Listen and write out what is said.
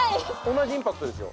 同じインパクトですよ。